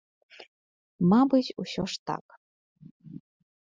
Мабыць, усё ж, так.